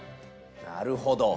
なるほど。